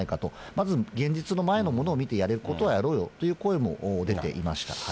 まず現実の前のものを見てやることはやろうよという声も出ていました。